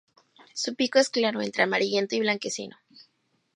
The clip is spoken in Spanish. Su pico es claro, entre amarillento y blanquecino.